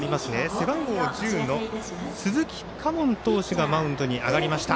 背番号１０の鈴木佳門投手がマウンドに上がりました。